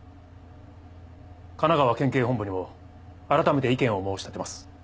神奈川県警本部にも改めて意見を申し立てます。